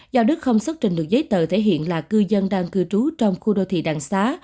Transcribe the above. do đức không xuất trình được giấy tờ thể hiện là cư dân đang cư trú trong khu đô thị đạng xá